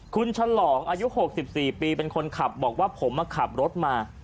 คุณฉลองอายุ๖๔ปีเป็นคนขับบอกว่าผมมาขับรถมา